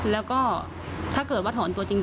แล้วก็ถ้าเกิดว่าถอนตัวจริง